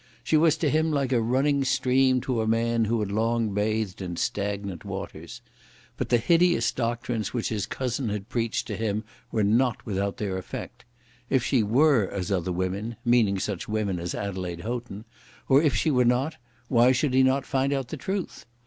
She was to him like a running stream to a man who had long bathed in stagnant waters. But the hideous doctrines which his cousin had preached to him were not without their effect. If she were as other women, meaning such women as Adelaide Houghton, or if she were not, why should he not find out the truth?